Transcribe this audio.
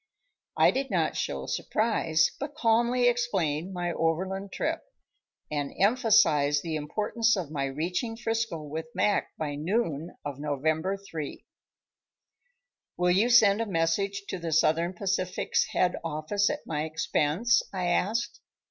I did not show surprise, but calmly explained my overland trip, and emphasized the importance of my reaching 'Frisco with Mac by noon of November 3. "Will you send a message to the Southern Pacific's head office at my expense?" I asked.